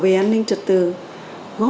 tiếp tiếp tiếp tục ạ